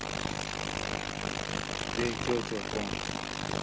وے چو چو پوں۔